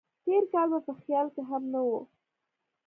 تېر کال مې په خیال کې هم نه و.